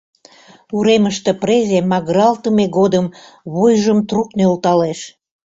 Уремыште презе магыралтыме годым вуйжым трук нӧлталеш.